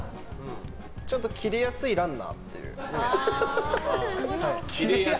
ちょっとキレやすいランナーっていう。